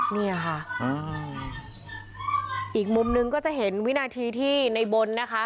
เนี่ยค่ะอีกมุมนึงก็จะเห็นวินาทีที่ในบนนะคะ